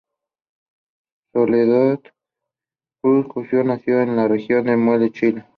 Soledad Cruz Court nació en la región del Maule, Chile.